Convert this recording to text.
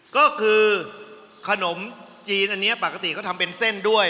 ก็คือขนมจีนอันนี้ปกติเขาทำเป็นเส้นด้วย